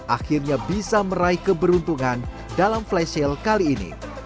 akhirnya bisa meraih keberuntungan dalam flash sale kali ini